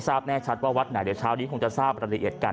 แน่ชัดว่าวัดไหนเดี๋ยวเช้านี้คงจะทราบรายละเอียดกัน